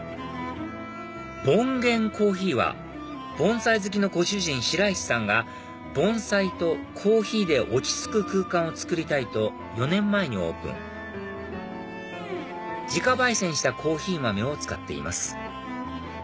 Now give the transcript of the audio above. ＢＯＮＧＥＮＣＯＦＦＥＥは盆栽好きのご主人白石さんが盆栽とコーヒーで落ち着く空間をつくりたいと４年前にオープン自家焙煎したコーヒー豆を使っています